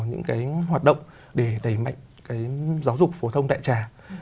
những cái hoạt động để đẩy mạnh cái giáo dục phổ thông đại trà